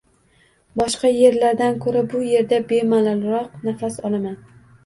Boshqa yerlardan koʻra bu yerda bemalolroq nafas olaman.